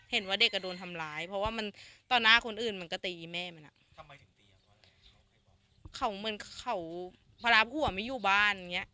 เห็นว่าเด็กก็โดนทำร้ายเพราะว่ามันตอนหน้าคนอื่นมันก็ตีแม่มันอะเขาเหมือนเขาพระราบหัวไม่อยู่บ้านอย่างเงี้ย